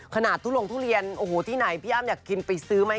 ทุลงทุเรียนโอ้โหที่ไหนพี่อ้ำอยากกินไปซื้อไหม